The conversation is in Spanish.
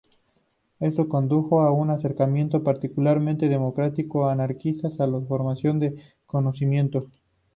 Esto condujo a un acercamiento particularmente democrático o anarquista a la formación de conocimiento.